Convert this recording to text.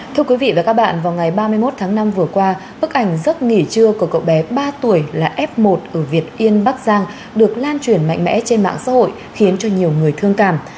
thưa quý vị và các bạn vào ngày ba mươi một tháng năm vừa qua bức ảnh giấc nghỉ trưa của cậu bé ba tuổi là f một ở việt yên bắc giang được lan truyền mạnh mẽ trên mạng xã hội khiến cho nhiều người thương cảm